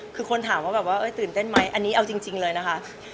คือคนถามว่าแบบว่าตื่นเต้นไหมอันนี้เอาจริงเลยนะคะ